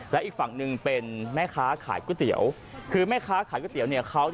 และอีกฝั่งหนึ่งเป็นแม่ค้าขายก๋วยเตี๋ยว